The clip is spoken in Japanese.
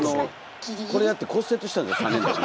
これをやって骨折したんですよ。